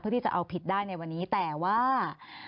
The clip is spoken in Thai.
เพื่อที่จะเอาผิดอยู่ในวันนี้แต่ว่า